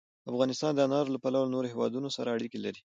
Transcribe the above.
افغانستان د انارو له پلوه له نورو هېوادونو سره اړیکې لري.